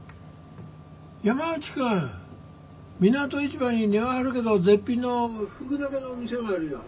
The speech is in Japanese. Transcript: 山内君港市場に値は張るけど絶品のふぐ鍋の店があるよ。